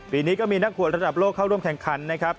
ปีนี้ก็มีนักขวดระดับโลกเข้าร่วมแข่งขันนะครับ